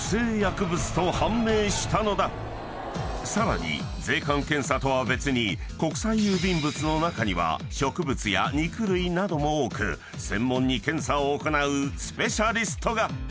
［さらに税関検査とは別に国際郵便物の中には植物や肉類なども多く専門に検査を行うスペシャリストが！］